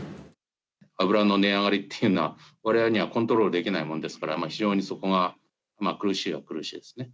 油の値上がりというのは、われわれにはコントロールできないものですから、非常にそこが苦しいは苦しいですね。